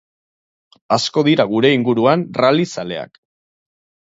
Asko dira gure inguruan rally zaleak.